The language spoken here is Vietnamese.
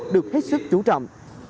được hết sức chú trọng